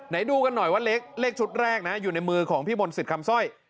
ดูกันหน่อยว่าเลขชุดแรกนะอยู่ในมือของพี่มนต์สิทธิ์คำสร้อย